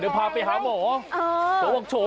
เดี๋ยวพาไปหาหมอ